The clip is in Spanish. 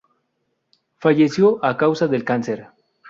Falleció a causa del cáncer.